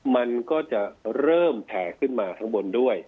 มันก็จะเริ่มแผ่ขึ้นมาข้างบนด้วย